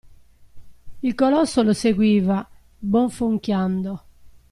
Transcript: Il colosso lo seguiva, bofonchiando.